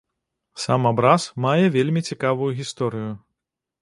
Сам абраз мае вельмі цікавую гісторыю.